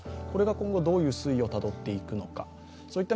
これが今後どういう推移をたどっていくのか。